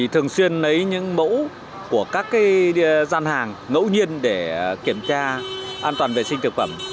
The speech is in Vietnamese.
thường xuyên lấy những mẫu của các gian hàng ngẫu nhiên để kiểm tra an toàn vệ sinh thực phẩm